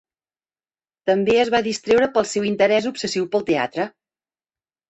També es va distreure pel seu interès obsessiu pel teatre.